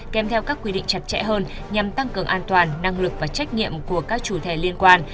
kèm theo các quy định chặt chẽ hơn nhằm tăng cường an toàn năng lực và trách nhiệm của các chủ thể liên quan